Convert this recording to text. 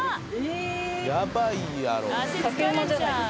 やばいやろ。